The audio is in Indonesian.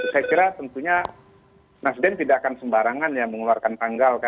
saya kira tentunya nasdem tidak akan sembarangan ya mengeluarkan tanggal